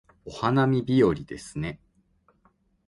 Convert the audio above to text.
お花見日和ですね